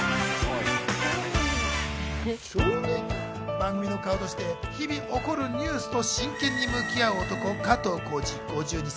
番組の顔として日々起こるニュースと真剣に向き合う男・加藤浩次、５２歳。